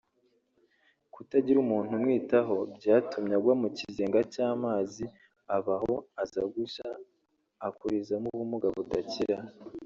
Kutagira umuntu umwitaho byatumye agwa mu kizenga cy’amazi aba aho aza gushya akurizamo ubumuga budakira